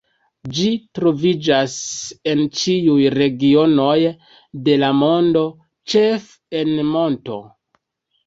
Ĝi troviĝas en ĉiuj regionoj de la mondo, ĉefe en monto.